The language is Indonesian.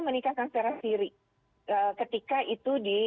menikahkan secara siri ketika itu di